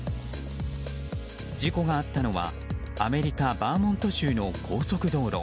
事故があったのはアメリカバーモント州の高速道路。